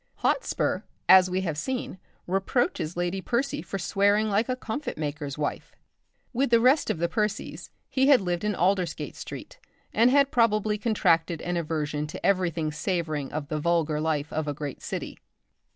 Hotspur, as we have seen, reproaches Lady Percy for swearing like a comfit maker's wife. With the rest of the Percies he had lived in Aldersgate Street, and had probably contracted an aversion to everything savouring of the vulgar life of a great city.